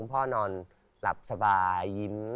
พ่อนอนหลับสบายยิ้ม